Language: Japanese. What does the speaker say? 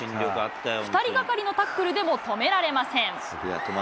２人がかりのタックルでも止められません。